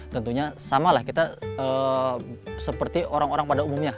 tentunya sama lah kita seperti orang orang pada umumnya